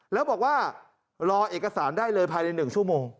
แล้วบอกว่ารอเอกสารได้เลยภายใน๑ชั่วโมง